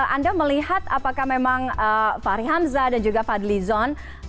anda melihat apakah memang pak rihamzah dan juga pak adli zon